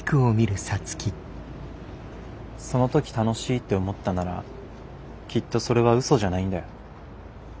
その時楽しいって思ったならきっとそれは嘘じゃないんだよ。